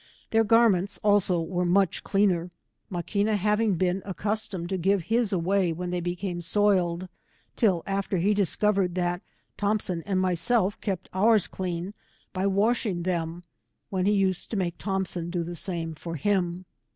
Their garments, also, were much cleaner, Maquina having been accus tomed to give his away when they became soiled, till after he discovered tiiat Thompson and myself kept ours clean by washing them, when he used t/> make Thompson do the same for him.